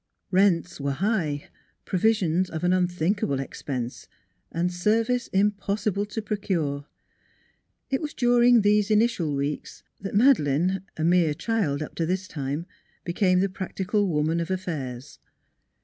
Rents were high, pro visions of an unthinkable expense, and service im possible to procure. It was during these initial 127 128 NEIGHBORS weeks that Madeleine, a mere child up to this time, became the practical woman of affairs.